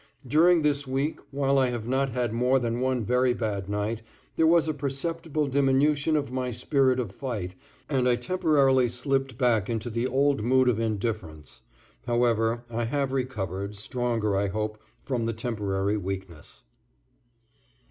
During this week, while I have not had more than one very bad night, there was a perceptible diminution of my spirit of fight and I temporarily slipped back into the old mood of indifference. However, I have recovered, stronger I hope, from the temporary weakness.